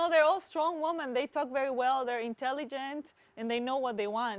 pemenang indonesia memiliki kesempatan besar untuk menang pajet pajet kekuatan